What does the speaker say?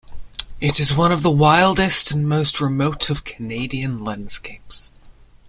It is one of the wildest and most remote of Canadian landscapes.